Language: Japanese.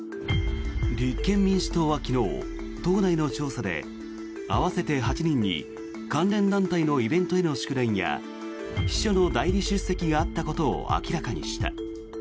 立憲民主党は昨日党内の調査で合わせて８人に関連団体のイベントへの祝電や秘書の代理出席があったことを明らかにした。